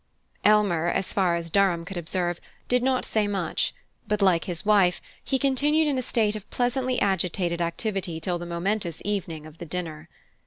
Elmer, as far as Durham could observe, did not say much; but, like his wife, he continued in a state of pleasantly agitated activity till the momentous evening of the dinner.